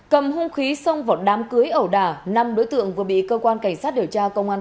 cầm hung khí xong vỏ đám cưới ẩu đà năm đối tượng vừa bị cơ quan cảnh sát điều tra công an